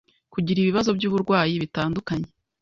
kugira ibibazo by’uburwayi bitandukanye